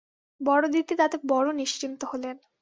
বড়দিদি তাতে বড়ো নিশ্চিন্ত হলেন।